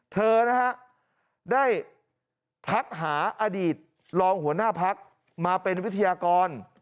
เธอนะฮะได้ทักหาอดีตรองหัวหน้าพักมาเป็นวิทยากร